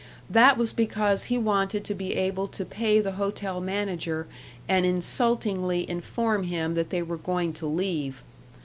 That was because he wanted to be able to pay the hotel manager and insultingly inform him that they were going to leave....